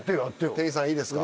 店員さんいいですか。